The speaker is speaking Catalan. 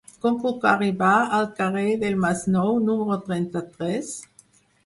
Com puc arribar al carrer del Masnou número trenta-tres?